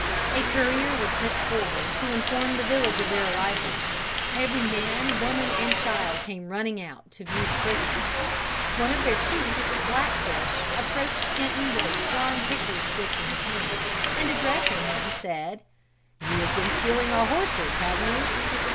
A courier was sent forward, to inform the village of their arrival. Every man, woman and child came running out, to view the prisoner. One of their chiefs, Blackfish, approached Kenton with a strong hickory switch in his hand, and addressing him said, "'You have been stealing our horses, have you?'